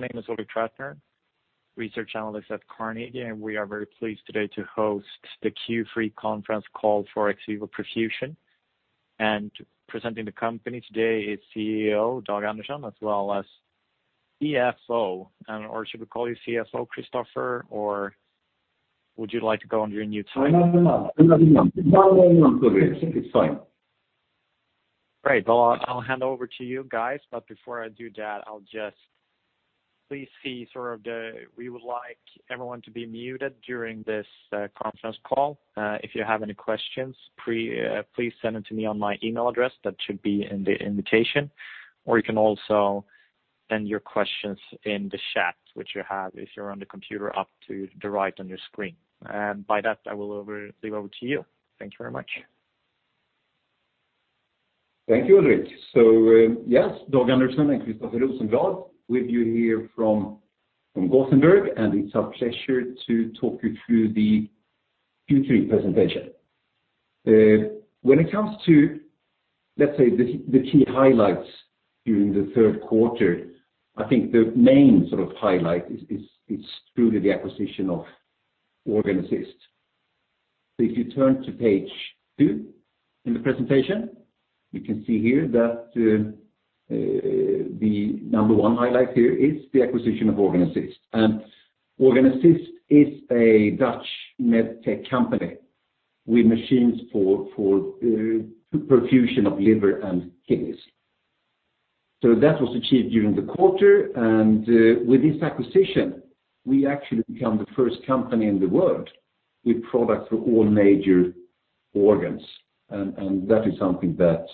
My name is Ulrik Trattner, Research Analyst at Carnegie. We are very pleased today to host the Q3 conference call for XVIVO Perfusion. Presenting the company today is CEO Dag Andersson as well as CFO, or should we call you CFO, Christoffer, or would you like to go under your new title? No. CFO is fine. Great. Well, I'll hand over to you guys. Before I do that, please we would like everyone to be muted during this conference call. If you have any questions, please send them to me on my email address. That should be in the invitation. You can also send your questions in the chat, which you have if you're on the computer up to the right on your screen. By that, I will leave over to you. Thank you very much. Thank you, Ulrik. Yes, Dag Andersson and Christoffer Rosenblad with you here from Gothenburg, and it's our pleasure to talk you through the Q3 presentation. When it comes to, let's say, the key highlights during the third quarter, I think the main highlight is truly the acquisition of Organ Assist. If you turn to page two in the presentation, you can see here that the number one highlight here is the acquisition of Organ Assist. Organ Assist is a Dutch medtech company with machines for perfusion of liver and kidneys. That was achieved during the quarter, and with this acquisition, we actually become the first company in the world with product for all major organs. That is something that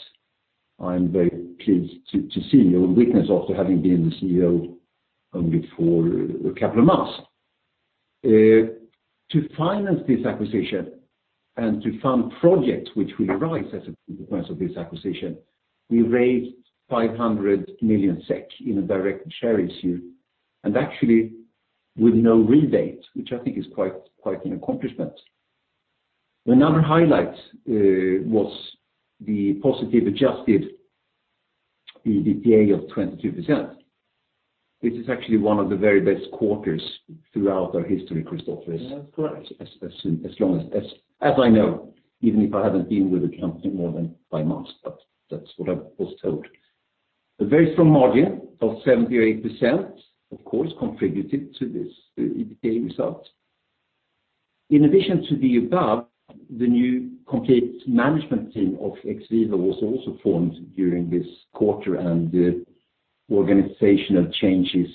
I'm very pleased to see and witness, also having been the CEO only for a couple of months. To finance this acquisition and to fund projects which will arise as a consequence of this acquisition, we raised 500 million SEK in a direct share issue, and actually with no rebate, which I think is quite an accomplishment. Another highlight was the positive adjusted EBITDA of 22%. This is actually one of the very best quarters throughout our history, Christoff, isn't it? That's correct. As I know, even if I haven't been with the company more than five months, but that's what I was told. A very strong margin of 78%, of course, contributed to this EBITDA result. In addition to the above, the new complete management team of XVIVO was also formed during this quarter, and the organizational changes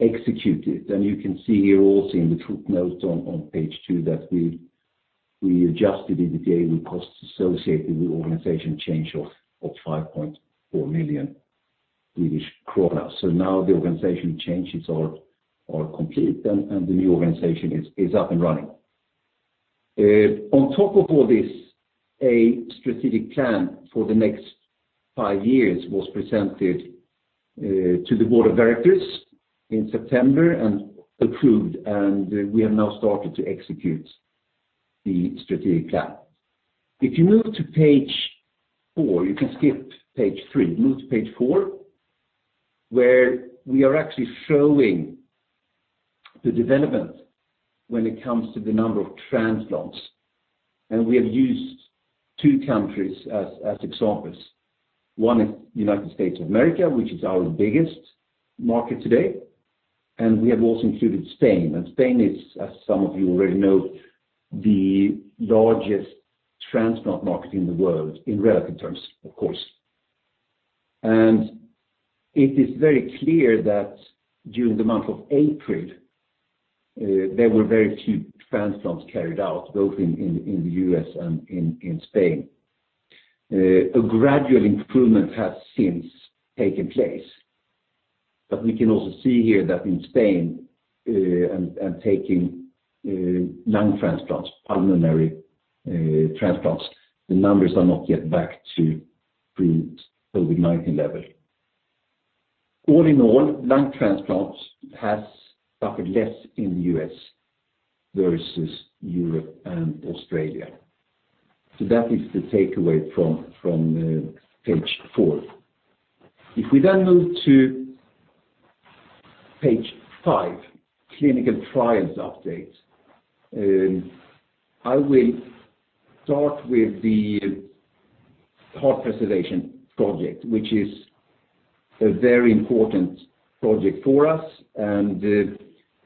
executed. You can see here also in the note on page two that we adjusted EBITDA with costs associated with the organization change of 5.4 million Swedish kronor. Now the organization changes are complete, and the new organization is up and running. On top of all this, a strategic plan for the next five years was presented to the Board of Directors in September and approved, and we have now started to execute the strategic plan. If you move to page four, you can skip page three. Move to page four, where we are actually showing the development when it comes to the number of transplants. We have used two countries as examples. One is United States of America, which is our biggest market today. We have also included Spain. Spain is, as some of you already know, the largest transplant market in the world in relative terms, of course. It is very clear that during the month of April, there were very few transplants carried out, both in the U.S. and in Spain. A gradual improvement has since taken place. We can also see here that in Spain, and taking lung transplants, pulmonary transplants, the numbers are not yet back to pre-COVID-19 level. All in all, lung transplants has suffered less in the U.S. versus Europe and Australia. That is the takeaway from page four. If we move to page five, clinical trials update. I will start with the heart preservation project, which is a very important project for us.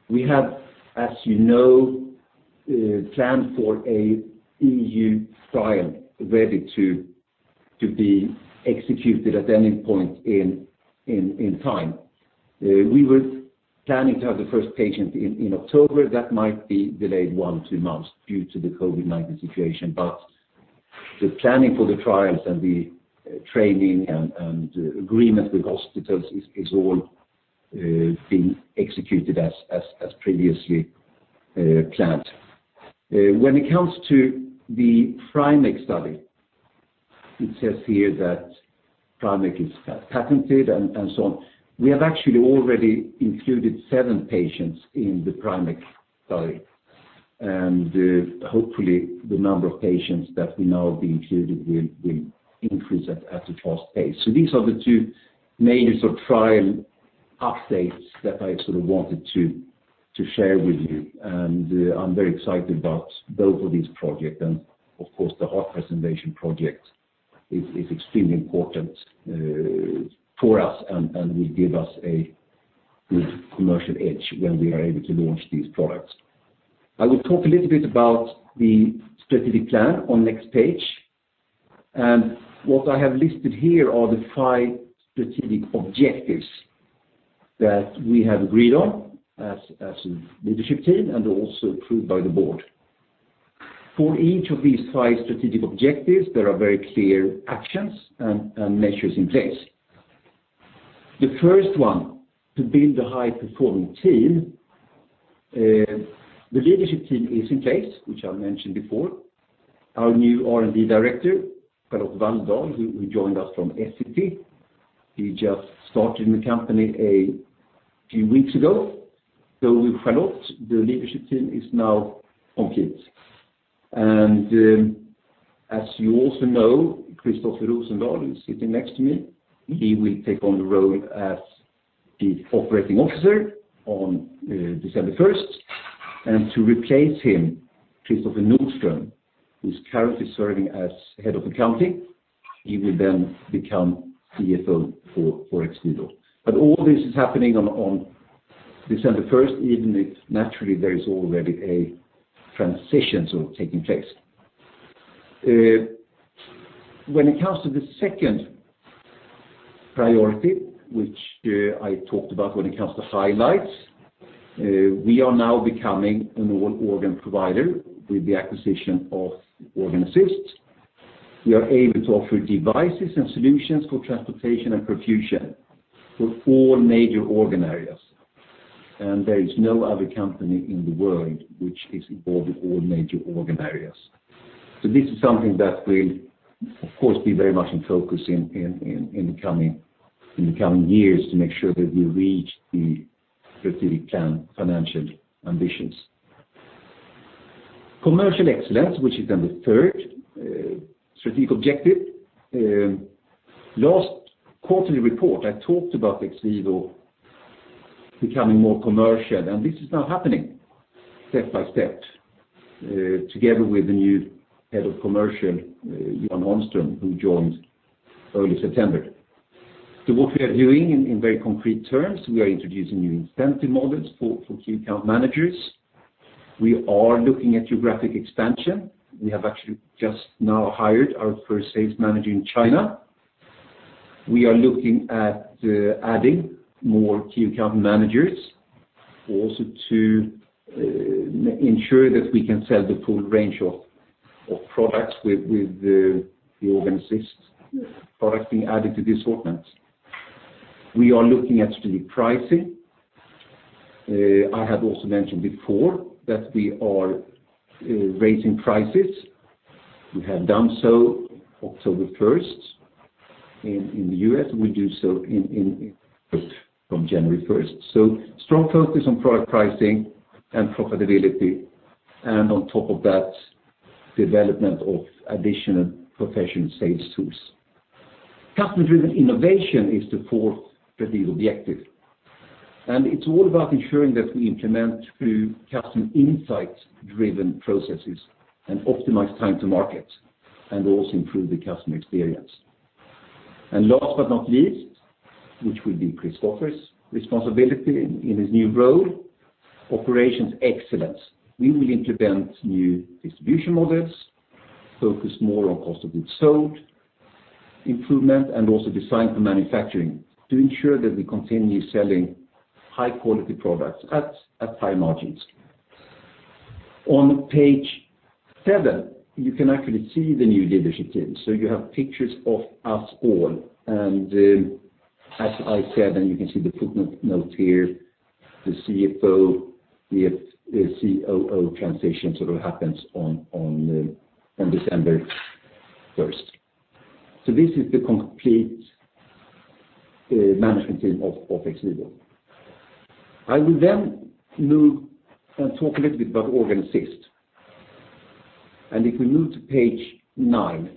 We have, as you know, a transplant for an EU trial ready to be executed at any point in time. We were planning to have the first patient in October. That might be delayed one, two months due to the COVID-19 situation. The planning for the trials and the training and agreement with hospitals is all being executed as previously planned. When it comes to the PrimECC study, it says here that PrimECC is patented and so on. We have actually already included seven patients in the PrimECC study. Hopefully the number of patients that we know have been included will increase at a fast pace. These are the two major trial updates that I wanted to share with you. I'm very excited about both of these projects. Of course, the heart preservation project is extremely important for us and will give us a good commercial edge when we are able to launch these products. I will talk a little bit about the strategic plan on the next page. What I have listed here are the five strategic objectives that we have agreed on as a leadership team and also approved by the Board. For each of these five strategic objectives, there are very clear actions and measures in place. The first one is to build a high-performing team. The leadership team is in place, which I mentioned before. Our new R&D Director, Charlotte Walldal, who joined us from Essity. She just started in the company a few weeks ago. With Charlotte, the leadership team is now complete. As you also know, Christoffer Rosenblad, who is sitting next to me, he will take on the role as the Chief Operating Officer on December 1st. To replace him, Kristoffer Nordström, who is currently serving as Head of Accounting, he will then become CFO for XVIVO. All this is happening on December 1st, even if naturally, there is already a transition taking place. When it comes to the second priority, which I talked about when it comes to highlights, we are now becoming an all-organ provider with the acquisition of Organ Assist. We are able to offer devices and solutions for transportation and perfusion for four major organ areas. There is no other company in the world which is involved in all major organ areas. This is something that will, of course, be very much in focus in the coming years to make sure that we reach the strategic plan financial ambitions. Commercial excellence, which is then the third strategic objective. Last quarterly report, I talked about XVIVO becoming more commercial, and this is now happening step by step, together with the new Head of Commercial, Jan Malmström, who joined in early September. What we are doing in very concrete terms, we are introducing new incentive models for key account managers. We are looking at geographic expansion. We have actually just now hired our first sales manager in China. We are looking at adding more key account managers, also to ensure that we can sell the full range of products, with the Organ Assist product being added to this assortment. We are looking at strategic pricing. I have also mentioned before that we are raising prices. We have done so on October 1st in the U.S., we do so in Europe from January 1st. Strong focus on product pricing and profitability, and on top of that the development of additional professional sales tools. Customer-driven innovation is the fourth strategic objective, and it's all about ensuring that we implement true customer insight-driven processes and optimize time to market and also improve the customer experience. Last but not least, which will be Christoffer's responsibility in his new role, operations excellence. We will implement new distribution models, focus more on cost of goods sold, improvement, and also design for manufacturing to ensure that we continue selling high-quality products at high margins. On page seven, you can actually see the new leadership team. You have pictures of us all. As I said, and you can see the footnote here, the CFO/COO transition happens on December 1st. This is the complete management team of XVIVO. I will move and talk a little bit about Organ Assist. If we move to page nine,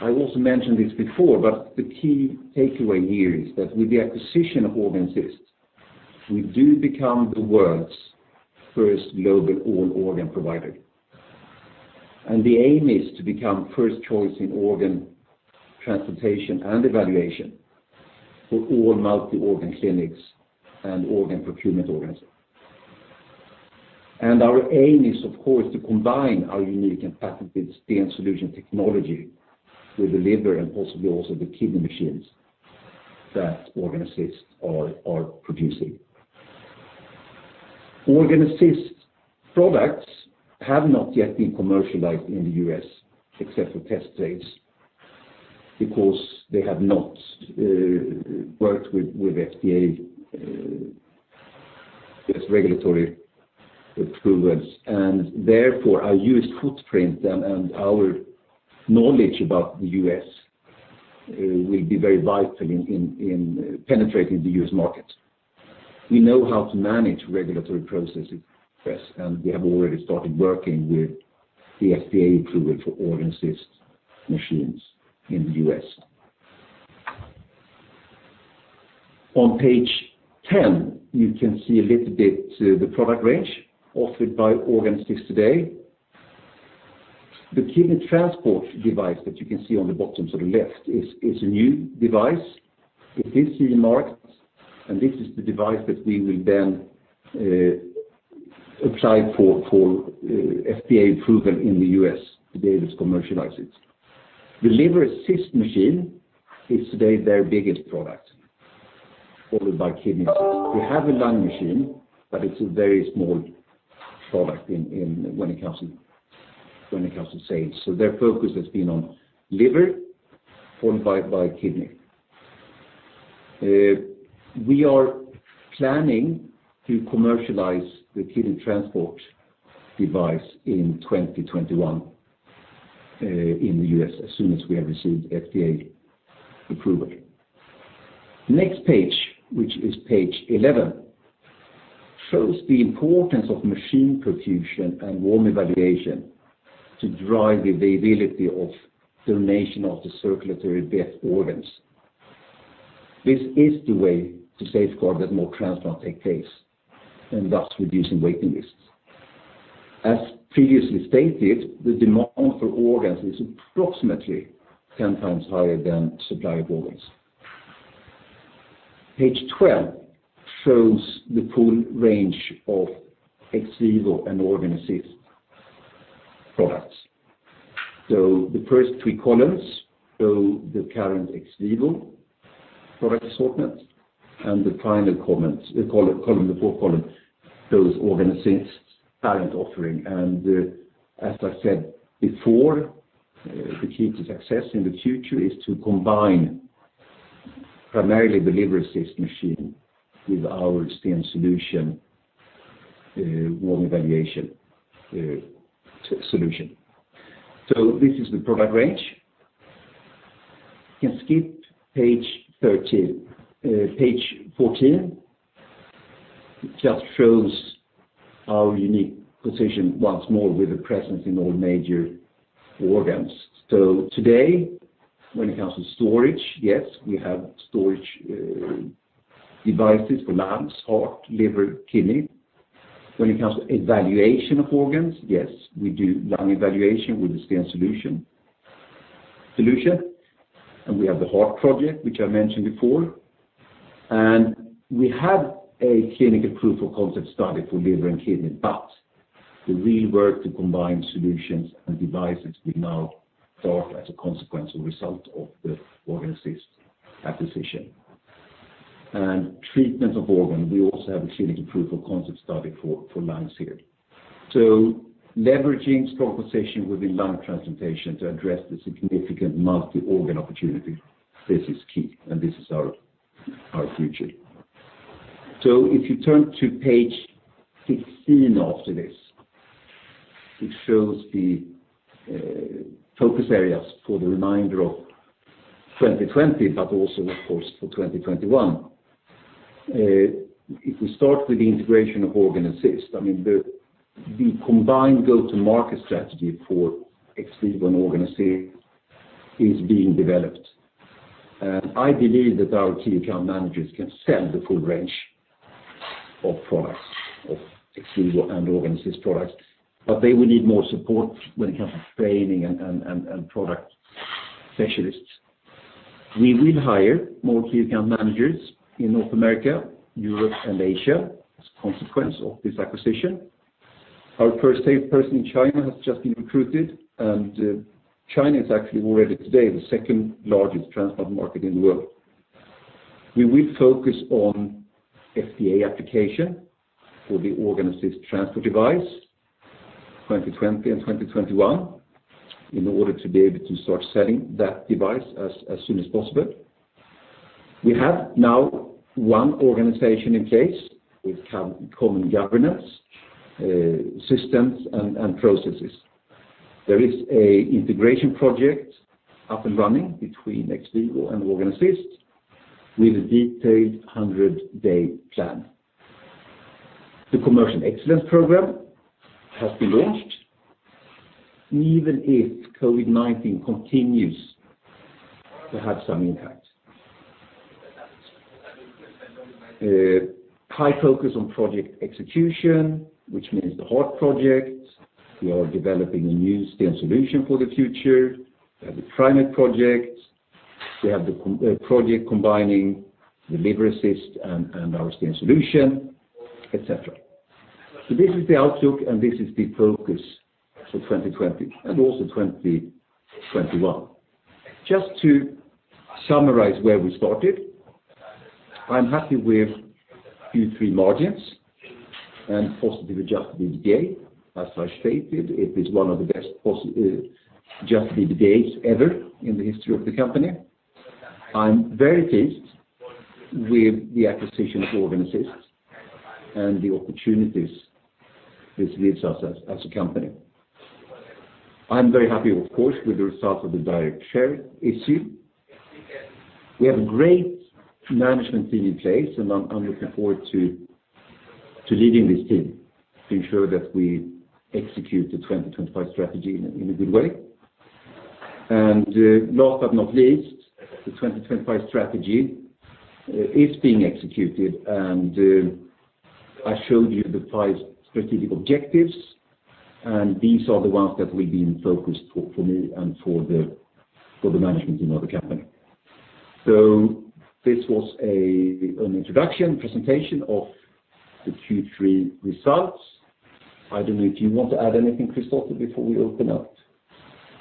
I also mentioned this before, but the key takeaway here is that with the acquisition of Organ Assist, we do become the world's first global all-organ provider. The aim is to become first choice in organ transplantation and evaluation for all multi-organ clinics and organ procurement organizations. Our aim is, of course, to combine our unique and patented STEEN Solution technology with the liver and possibly also the kidney machines that Organ Assist are producing. Organ Assist products have not yet been commercialized in the U.S., except for test states, because they have not worked with FDA regulatory approvals. Therefore, our U.S. footprint and our knowledge about the U.S. will be very vital in penetrating the U.S. market. We know how to manage regulatory processes, and we have already started working with the FDA approval for Organ Assist machines in the U.S. On page 10, you can see a little bit of the product range offered by Organ Assist today. The Kidney Transport device that you can see on the bottom to the left is a new device. It is in the market, and this is the device that we will then apply for FDA approval in the U.S. to be able to commercialize it. The Liver Assist machine is today their biggest product, followed by Kidney Transport. We have a lung machine, but it's a very small product when it comes to sales. Their focus has been on Liver, followed by Kidney. We are planning to commercialize the Kidney Transport device in 2021 in the U.S. as soon as we have received FDA approval. Next page, which is page 11, shows the importance of machine perfusion and warm evaluation to drive the viability of donation after circulatory death organs. This is the way to safeguard that more transplants take place and thus reducing waiting lists. As previously stated, the demand for organs is approximately 10x higher than the supply of organs. Page 12 shows the full range of XVIVO and Organ Assist products. The first three columns show the current XVIVO product assortment, and the final column, the fourth column, shows Organ Assist's current offering. The key to success in the future is to combine primarily the Liver Assist machine with our STEEN Solution warm evaluation solution. This is the product range. You can skip page 13. Page 14 just shows our unique position once more with a presence in all major organs. Today, when it comes to storage, yes, we have storage devices for lungs, heart, liver, kidney. When it comes to the evaluation of organs, yes, we do lung evaluation with the STEEN Solution. We have the heart project, which I mentioned before. We have a clinical proof of concept study for liver and kidney, but the real work to combine solutions and devices will now start as a consequence and result of the Organ Assist acquisition. Treatment of organ, we also have a clinical proof of concept study for lungs here. Leveraging strong position within lung transplantation to address the significant multi-organ opportunity, this is key, and this is our future. If you turn to page 16 after this, it shows the focus areas for the remainder of 2020, but also of course, for 2021. If we start with the integration of Organ Assist, the combined go-to-market strategy for XVIVO and Organ Assist is being developed. I believe that our key account managers can sell the full range of products, of XVIVO and Organ Assist products, but they will need more support when it comes to training and product specialists. We will hire more key account managers in North America, Europe, and Asia as a consequence of this acquisition. Our first salesperson in China has just been recruited, and China is actually already today the second-largest transplant market in the world. We will focus on FDA application for the Organ Assist Transport device 2020 and 2021 in order to be able to start selling that device as soon as possible. We have now one organization in place with common governance, systems and processes. There is an integration project up and running between XVIVO and Organ Assist with a detailed 100-day plan. The commercial excellence program has been launched even if COVID-19 continues to have some impact. High focus on project execution, which means the heart project. We are developing a new STEEN Solution for the future. We have the PrimECC project. We have the project combining the Liver Assist and our STEEN Solution, et cetera. This is the outlook, and this is the focus for 2020 and also 2021. Just to summarize where we started, I'm happy with Q3 margins and positive adjusted EBITDA. As I stated, it is one of the best adjusted EBITDAs ever in the history of the company. I'm very pleased with the acquisition of Organ Assist and the opportunities this leads us as a company. I'm very happy, of course, with the results of the direct share issue. We have a great management team in place, and I'm looking forward to leading this team to ensure that we execute the 2025 strategy in a good way. Last but not least, the 2025 strategy is being executed, and I showed you the five strategic objectives, and these are the ones that we've been focused for me and for the management team of the company. This was an introduction presentation of the Q3 results. I don't know if you want to add anything, Christoff, before we open up.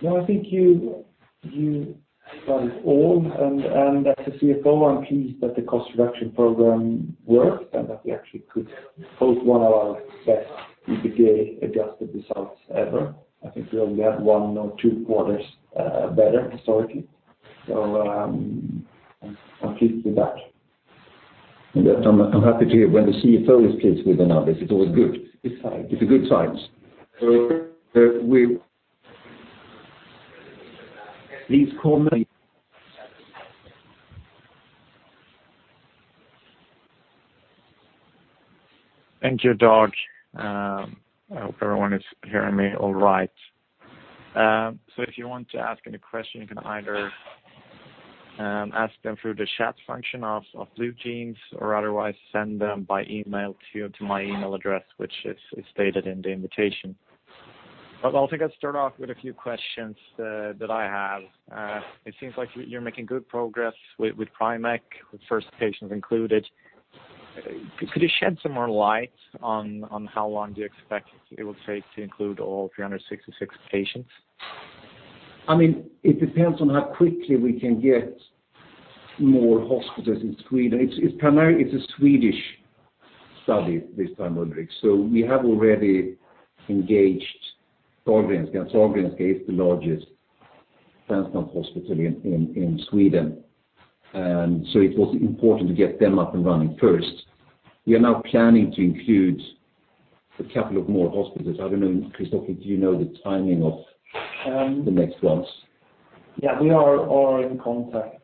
No, I think you said it all, and as the CFO, I'm pleased that the cost reduction program worked and that we actually could post one of our best EBITDA adjusted results ever. I think we only had one or two quarters better historically. I'm pleased with that. I'm happy to hear when the CFO is pleased with the numbers. It's always good. It's fine. It's a good sign. So we- Please call me. Thank you, Dag. I hope everyone is hearing me all right. If you want to ask any question, you can either ask them through the chat function of BlueJeans or otherwise send them by email to my email address, which is stated in the invitation. I think I'll start off with a few questions that I have. It seems like you're making good progress with PrimECC, with first patients included. Could you shed some more light on how long do you expect it will take to include all 366 patients? It depends on how quickly we can get more hospitals in Sweden. Primarily, it's a Swedish study this time, Ulrik. We have already engaged Sahlgrenska. Sahlgrenska is the largest transplant hospital in Sweden. It was important to get them up and running first. We are now planning to include a couple of more hospitals. I don't know, Christoff, if you know the timing of the next ones. Yeah, we are in contact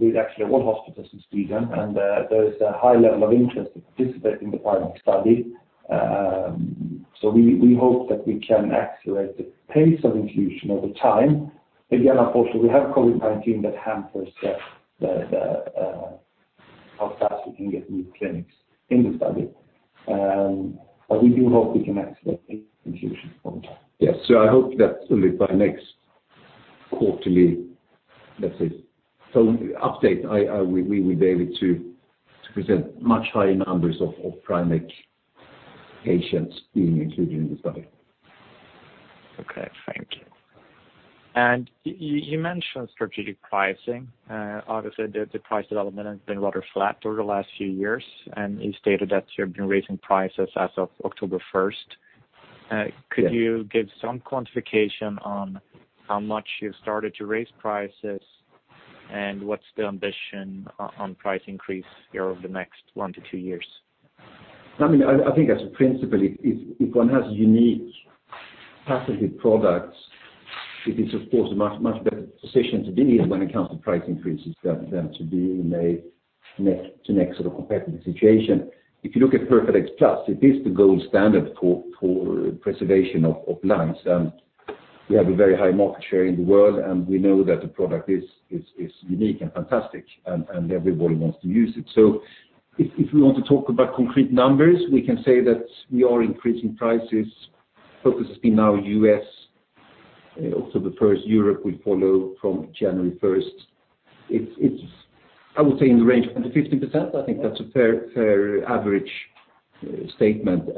with actually all hospitals in Sweden, and there is a high level of interest to participate in the PrimECC study. We hope that we can accelerate the pace of inclusion over time. Again, unfortunately, we have COVID-19 that hampers how fast we can get new clinics in the study. We do hope we can accelerate the inclusion over time. Yes. I hope that by next quarterly update, we will be able to present much higher numbers of PrimECC patients being included in the study. Okay. Thank you. You mentioned strategic pricing. Obviously, the price development has been rather flat over the last few years, and you stated that you have been raising prices as of October 1st. Yes. Could you give some quantification on how much you've started to raise prices and what's the ambition on price increase over the next one to two years? I think as a principle, if one has unique patented products, it is of course a much better position to be in when it comes to price increases than to be in a neck-to-neck sort of competitive situation. If you look at PERFADEX Plus, it is the gold standard for preservation of lungs, and we have a very high market share in the world. We know that the product is unique and fantastic, and everybody wants to use it. If we want to talk about concrete numbers, we can say that we are increasing prices. Focus has been now U.S., also the first Europe will follow from January 1st. I would say in the range of 10%-15%. I think that's a fair average statement.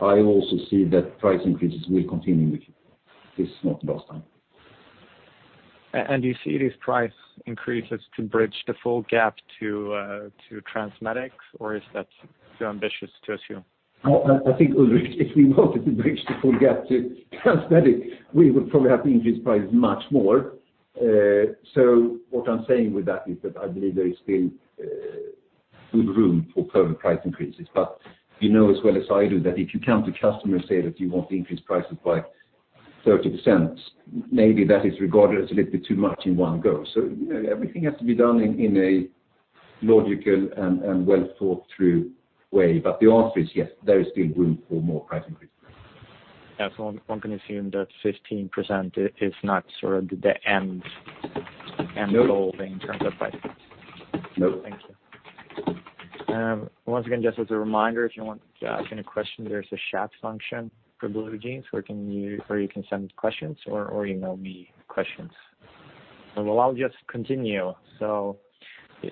I also see that price increases will continue next time. Do you see these price increases to bridge the full gap to TransMedics, or is that too ambitious to assume? No, I think, Ulrik, if we wanted to bridge the full gap to TransMedics, we would probably have to increase prices much more. What I'm saying with that is that I believe there is still good room for further price increases. You know as well as I do that if you come to customers say that you want to increase prices by 30%, maybe that is regarded as a little bit too much in one go. Everything has to be done in a logical and well-thought-through way. The answer is yes; there is still room for more price increases. Yeah. One can assume that 15% is not sort of the end goal. No In terms of price increase. No. Thank you. Once again, just as a reminder, if you want to ask any question, there's a chat function for BlueJeans where you can send questions or email me questions. Well, I'll just continue.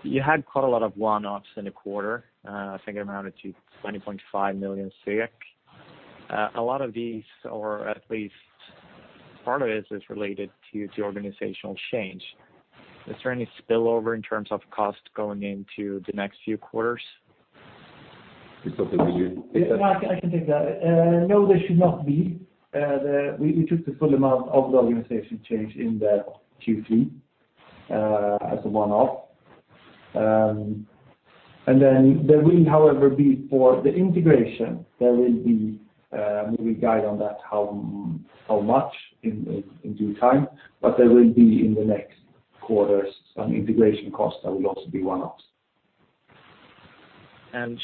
You had quite a lot of one-offs in the quarter. I think it amounted to 20.5 million. A lot of these, or at least part of it, is related to the organizational change. Is there any spillover in terms of cost going into the next few quarters? Christoff, would you take that? I can take that. No, there should not be. We took the full amount of the organizational change in the Q3 as a one-off. However, for the integration, we guide on that how much in due time, but there will be in the next quarters, an integration cost that will also be one-offs.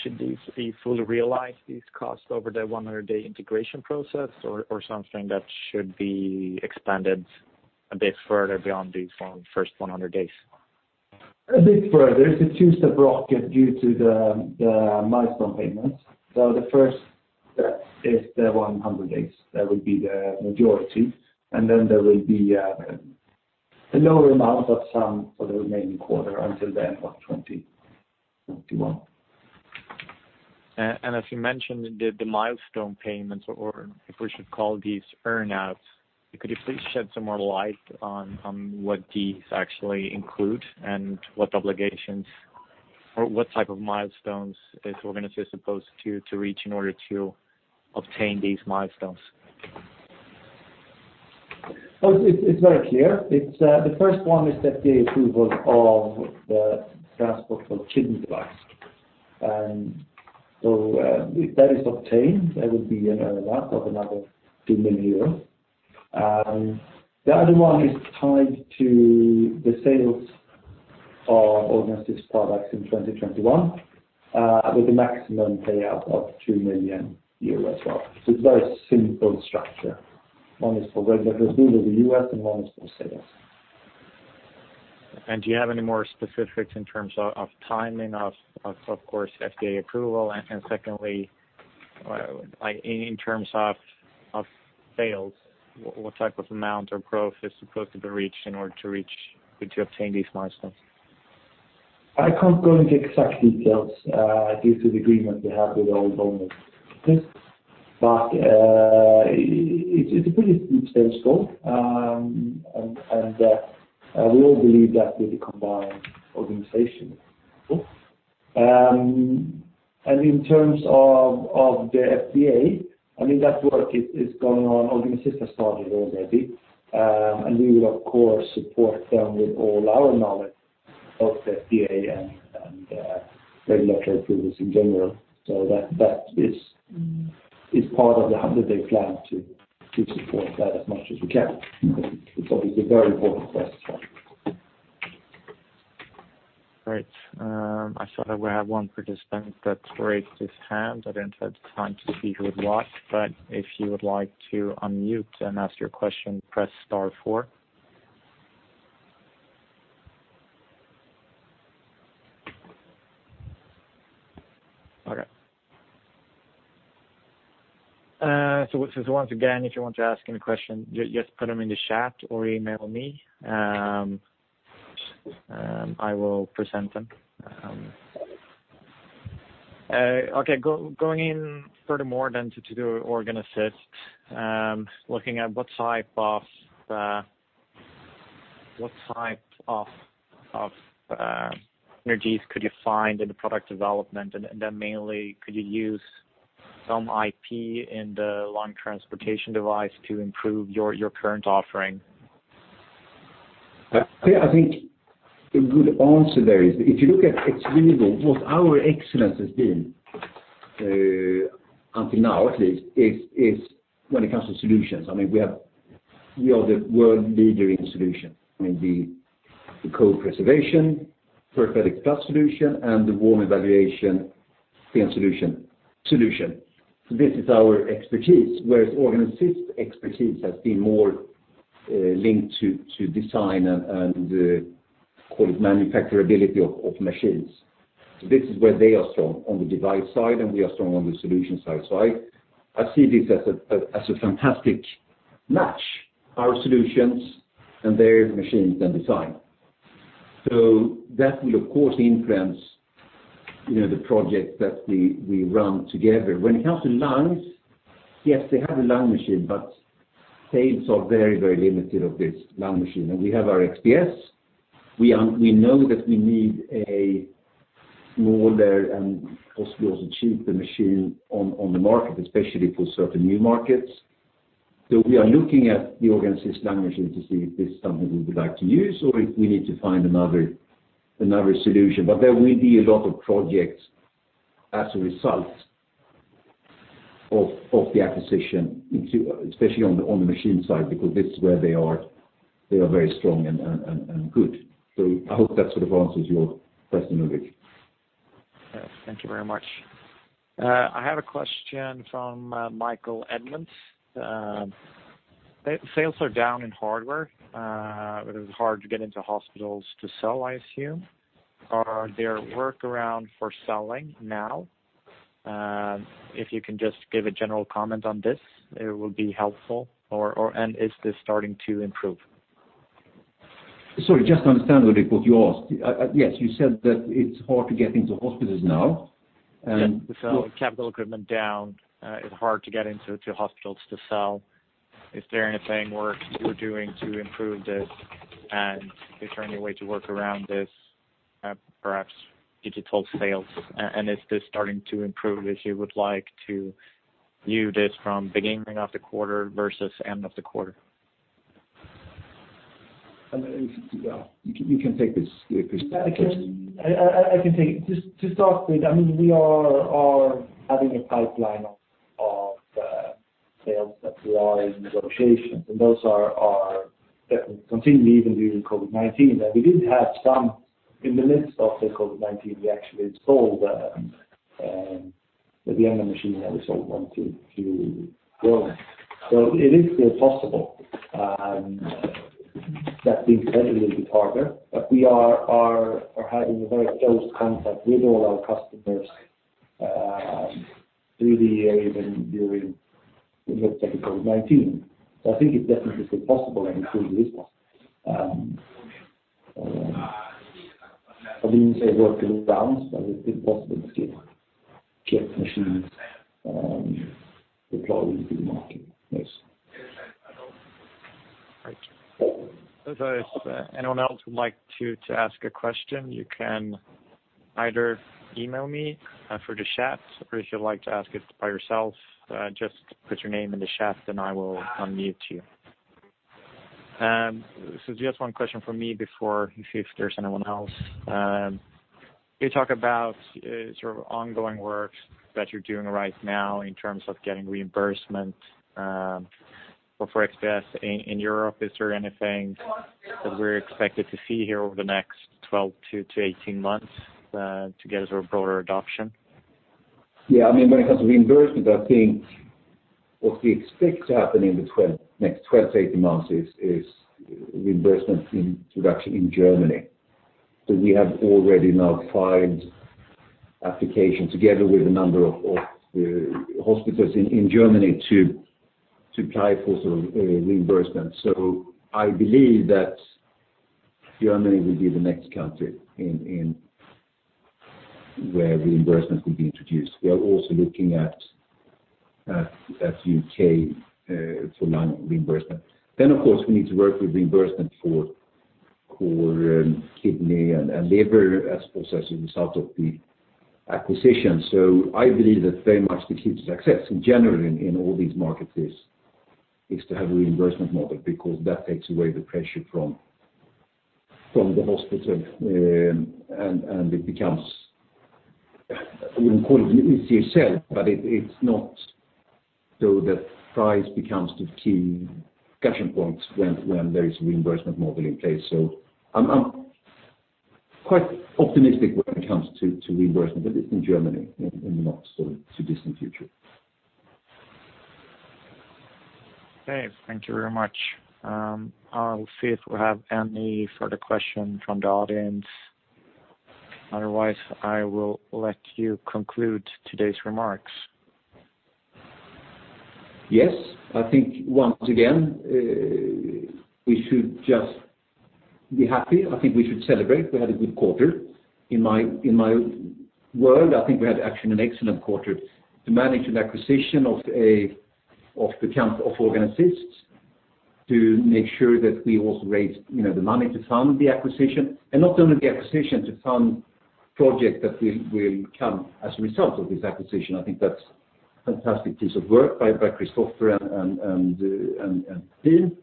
Should there be fully realized, these costs, over the 100-day integration process or something that should be expanded a bit further beyond these first 100 days? A bit further. It's a two-step rocket due to the milestone payments. The first step is the 100 days. That will be the majority. There will be a lower amount, but some for the remaining quarter until the end of 2021. As you mentioned, the milestone payments, or if we should call these earn-outs, could you please shed some more light on what these actually include and what obligations or what type of milestones is Organ Assist supposed to reach in order to obtain these milestones? Oh, it's very clear. The first one is that the approval of the Kidney Assist Transport. If that is obtained, there will be an earn-out of another 2 million euros. The other one is tied to the sales of Organ Assist products in 2021, with a maximum payout of 2 million euros as well. It's very simple structure. One is for regulatory approval in the U.S., and one is for sales. Do you have any more specifics in terms of timing of course, FDA approval? Secondly, in terms of sales, what type of amount or growth is supposed to be reached in order to obtain these milestones? I can't go into exact details due to the agreement we have with the old owners, but it's a pretty ambitious goal. We all believe that with the combined organization. In terms of the FDA, I mean, that work is going on. Organ Assist has started already. We will, of course, support them with all our knowledge of the FDA and regulatory approvals in general. That is part of the 100-day plan to support that as much as we can because it's a very important first step. Great. I saw that we had one participant that raised his hand. I didn't have the time to see who it was, but if you would like to unmute and ask your question, press star four. Okay. Once again, if you want to ask any questions, just put them in the chat or email me. I will present them. Okay, going in furthermore then to Organ Assist, looking at what type of synergies could you find in the product development, and then mainly could you use some IP in the lung transportation device to improve your current offering? I think a good answer there is if you look at XVIVO, what our excellence has been, until now at least, is when it comes to solutions. I mean, we are the world leader in solution in the cold preservation PERFADEX Plus solution, and the warm evaluation STEEN Solution. This is our expertise, whereas Organ Assist expertise has been more linked to design and call it manufacturability of machines. This is where they are strong on the device side, and we are strong on the solution side. I see this as a fantastic match, our solutions and their machines and design. That will, of course, influence the project that we run together. When it comes to lungs, yes, they have a lung machine, sales are very limited of this lung machine. We have our XPS. We know that we need a smaller and possibly also cheaper machine on the market, especially for certain new markets. We are looking at the Organ Assist lung machine to see if this is something we would like to use or if we need to find another solution. There will be a lot of projects as a result of the acquisition, especially on the machine side, because this is where they are very strong and good. I hope that sort of answers your question, Ulrik. Yes. Thank you very much. I have a question from Michael Edmonds. Sales are down in hardware. It is hard to get into hospitals to sell, I assume. Are there workarounds for selling now? If you can just give a general comment on this, it will be helpful. Is this starting to improve? Sorry, just to understand, Ulrik, what you asked. Yes, you said that it is hard to get into hospitals now. Yes. Capital equipment down. It's hard to get into hospitals to sell. Is there anything we're doing to improve this, and is there any way to work around this, perhaps digital sales? Is this starting to improve as you would like to view this from the beginning of the quarter versus end of the quarter? You can take this, Chris, please. I can take it. Just to start with, we are having a pipeline of sales that are in negotiations, those are continuing even during COVID-19. We did have some in the midst of the COVID-19, we actually sold the XVIVO machine, we have sold one to Rome. It is still possible. That being said, it will be harder, but we are having a very close contact with all our customers through the year, even during the midst of COVID-19. I think it definitely is possible and including this one. I mean, it worked in France, but it's possible to get machines deployed in the market. Yes. Right. If anyone else would like to ask a question, you can either email me for the chat, or if you'd like to ask it by yourself, just put your name in the chat, and I will unmute you. Just one question from me before we see if there's anyone else. You talk about sort of ongoing work that you're doing right now in terms of getting reimbursement. For XPS in Europe, is there anything that we're expected to see here over the next 12-18 months, to get a sort of broader adoption? Yeah, when it comes to reimbursement, I think what we expect to happen in the next 12-18 months is reimbursement introduction in Germany. We have already now filed application together with a number of hospitals in Germany to try for some reimbursement. I believe that Germany will be the next country where reimbursement will be introduced. We are also looking at U.K. for lung reimbursement. Of course, we need to work with reimbursement for kidney and liver, I suppose, as a result of the acquisition. I believe that very much the key to success in general in all these markets is to have a reimbursement model, because that takes away the pressure from the hospital, and it becomes, I wouldn't call it an easy sell, but it's not so that price becomes the key discussion point when there is a reimbursement model in place. I'm quite optimistic when it comes to reimbursement in Germany in the not-so-distant future. Okay. Thank you very much. I'll see if we have any further questions from the audience. Otherwise, I will let you conclude today's remarks. Yes, I think once again, we should just be happy. I think we should celebrate. We had a good quarter. In my world, I think we had actually an excellent quarter to manage an acquisition of Organ Assist, to make sure that we also raised the money to fund the acquisition. Not only the acquisition, to fund projects that will come as a result of this acquisition. I think that's a fantastic piece of work by Christoffer and team.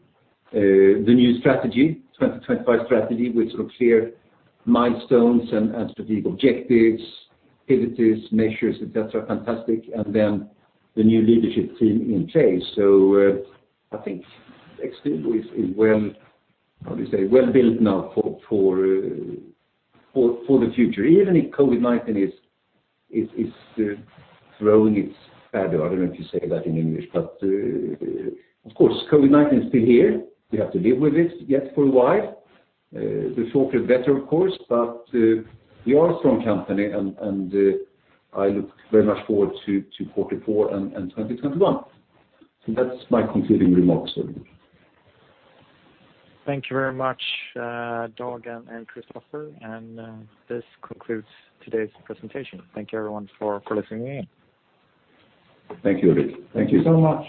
The new strategy, 2025 strategy, with clear milestones and strategic objectives, activities, measures, etc., fantastic. The new leadership team in place. I think XVIVO is well-built now for the future. Even if COVID-19 is throwing its shadow, I don't know if you say that in English, but of course, COVID-19 is still here. We have to live with it, yet for a while. The forecast is better, of course, but we are a strong company, and I look very much forward to quarter four and 2021. That's my concluding remarks. Thank you very much, Dag and Christoffer, and this concludes today's presentation. Thank you, everyone for listening in. Thank you, Ulrik. Thank you. Thank you so much.